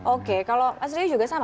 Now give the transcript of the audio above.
oke kalau mas rio juga sama